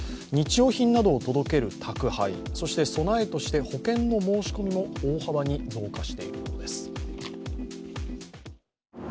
日用品などを届ける宅配、そして備えとして保険の申し込みも大幅に増加しているようです。